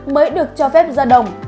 mới được cho phép ra đồng